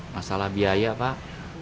masalah biaya pak